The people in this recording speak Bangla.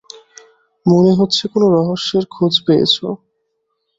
মনে হচ্ছে কোন রহস্যের খোঁজ পেয়েছো।